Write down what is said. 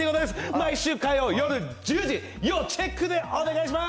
毎週火曜日夜１０時、要チェックでお願いします。